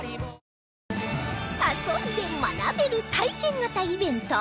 遊んで学べる体験型イベント